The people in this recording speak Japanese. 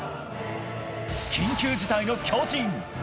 緊急事態の巨人。